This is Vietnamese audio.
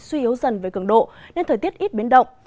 suy yếu dần về cường độ nên thời tiết ít biến động